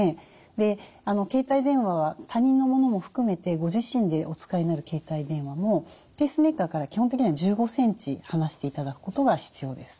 携帯電話は他人のものも含めてご自身でお使いになる携帯電話もペースメーカーから基本的には１５ｃｍ離していただくことが必要です。